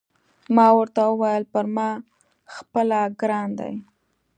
ما ورته وویل: پر ما خپله ګران دی.